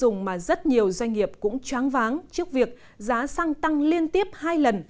trong trường mà rất nhiều doanh nghiệp cũng tráng váng trước việc giá sang tăng liên tiếp hai lần